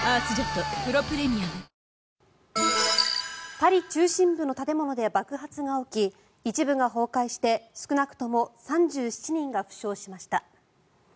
パリ中心部の建物で爆発が起き、一部が崩壊して少なくとも３７人が負傷しました。